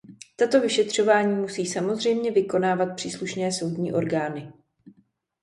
Tato vyšetřování musí samozřejmě vykonávat příslušné soudní orgány.